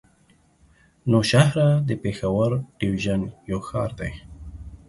نوشهره د پېښور ډويژن يو ښار دی.